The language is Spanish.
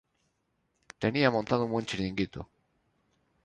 Tenía montado un buen chiringuito